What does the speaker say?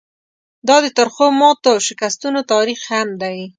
دا د ترخو ماتو او شکستونو تاریخ هم دی.